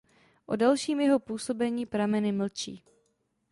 O dalším jeho působení prameny mlčí.